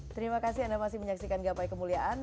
terima kasih anda masih menyaksikan gapai kemuliaan